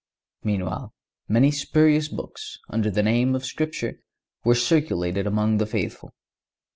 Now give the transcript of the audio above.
Meanwhile, many spurious books, under the name of Scripture, were circulated among the faithful.